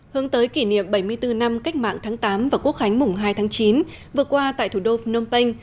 hướng tới kỷ niệm bảy mươi bốn năm cách mạng tháng tám và quốc khánh mùng hai tháng chín vừa qua tại thủ đô phnom penh